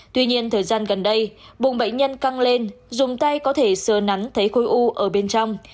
tuy nhiên thời gian gần đây bùng bệnh nhân căng lên dùng tay có thể sờ nắn thấy khối u ở bên trong